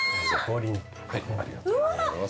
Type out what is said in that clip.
ありがとうございます。